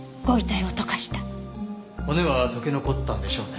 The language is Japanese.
骨は溶け残ったんでしょうね。